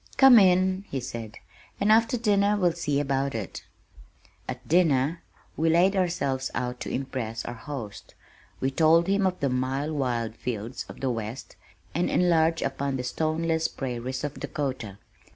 "Come in," he said, "and after dinner we'll see about it." At dinner we laid ourselves out to impress our host. We told him of the mile wide fields of the west, and enlarged upon the stoneless prairies of Dakota.